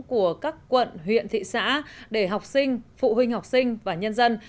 của các quận huyện thị xã để học sinh phụ huynh học sinh và nhân dân